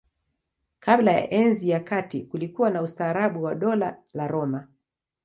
Kabla ya Enzi ya Kati kulikuwa na ustaarabu wa Dola la Roma.